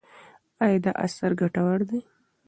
ایا دا اثر ګټور دی؟